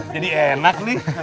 jadi enak nih